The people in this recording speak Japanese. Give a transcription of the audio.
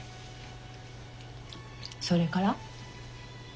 それから？